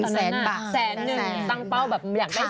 สวัสดีค่ะสวัสดีค่ะ